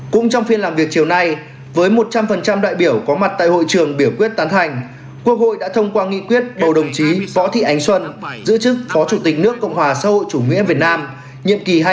cũng trong phiên làm việc chiều nay với một trăm linh đại biểu có mặt tại hội trường biểu quyết tán thành quốc hội đã thông qua nghị quyết bầu đồng chí võ thị ánh xuân giữ chức phó chủ tịch nước cộng hòa xã hội chủ nghĩa việt nam nhiệm kỳ hai nghìn hai mươi một hai nghìn hai mươi